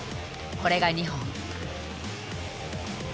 これが２本。